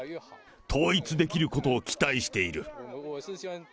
統一できることを期待している。